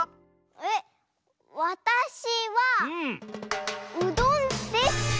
えっわたしはうどんです！